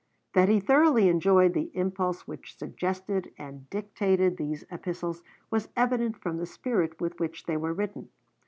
That he thoroughly enjoyed the impulse which suggested and dictated these Epistles was evident from the spirit with which they were written.